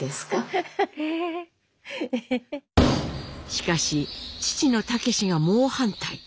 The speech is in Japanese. しかし父の武が猛反対。